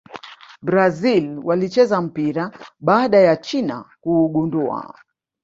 brazil walicheza mpira baada ya china kuugundua